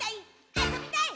あそびたい！」